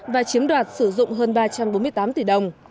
và chiếm đoạt sử dụng hơn ba trăm bốn mươi tám tỷ đồng